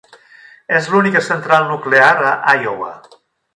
És l'única central nuclear a Iowa.